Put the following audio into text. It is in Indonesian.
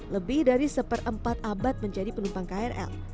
lebih dari seperempat abad menjadi penumpang krl